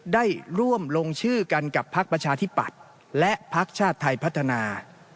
ได้ร่วมลงชื่อกันกับพักประชาธิปัตย์และพักชาติไทยพัฒนา